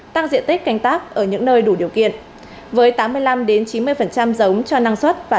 tăng diện tích canh tác ở những nơi đủ điều kiện với tám mươi năm chín mươi giống cho năng suất và